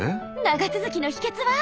長続きの秘けつは？